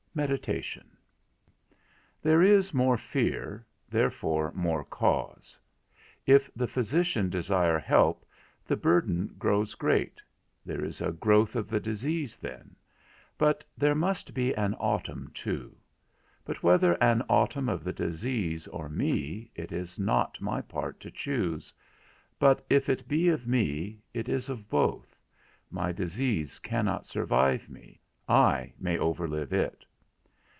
_ VII. MEDITATION. There is more fear, therefore more cause. If the physician desire help, the burden grows great: there is a growth of the disease then; but there must be an autumn too; but whether an autumn of the disease or me, it is not my part to choose; but if it be of me, it is of both; my disease cannot survive me, I may overlive it.